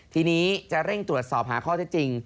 ทีนี้จะเร่งตรวจสอบหาข้อเท็จจริง